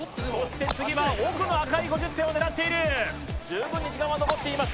次は奥の赤い５０点を狙っている。